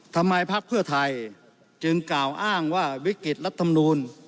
พักเพื่อไทยจึงกล่าวอ้างว่าวิกฤตรัฐมนูล